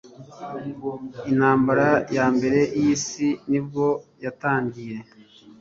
intambara yambere y’isi nibwo yatangiye